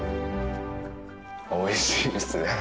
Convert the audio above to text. おいしいですね。